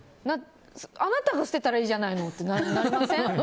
あなたが捨てたらいいじゃないのってなりません？